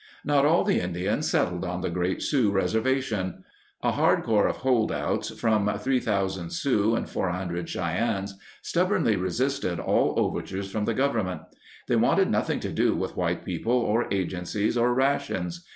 Not all the Indians settled on the Great Sioux Reservation. A hard core of holdouts, about 3,000 Sioux and 400 Cheyennes, stubbornly resisted all overtures from the Government. They wanted noth ing to do with white people or agencies or rations.